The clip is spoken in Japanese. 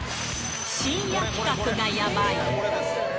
深夜企画がやばい。